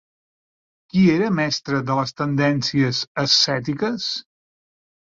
Qui era mestre de les tendències ascètiques?